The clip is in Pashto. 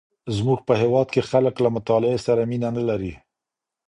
زمونږ په هیواد کې خلک له مطالعې سره مینه نه لري.